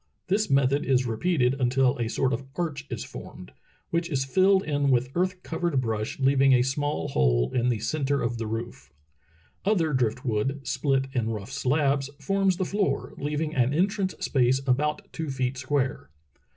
This method is repeated until a sort of arch is formed, which ie filled in with earth covered brush leaving a small hole in the centre of the roof. Other drift wood, split in rough slabs, forms the floor, leaving an entrance space about two feet square.